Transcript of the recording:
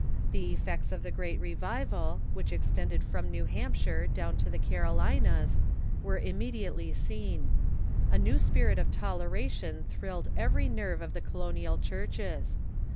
The effects of the great revival, which extended from New Hampshire down to the Carolinas, wei'e immediately seen. A new spirit of toleration thrilled every nerve of the colonial churches.